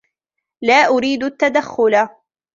لا ارید التدخل.